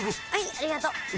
ありがとう。